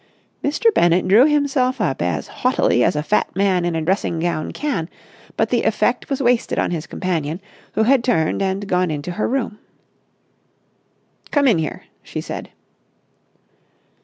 Mr. Bennett drew himself up as haughtily as a fat man in a dressing gown can, but the effect was wasted on his companion, who had turned and gone into her room. "Come in here," she said.